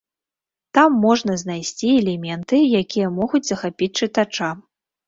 Там можна знайсці элементы, якія могуць захапіць чытача.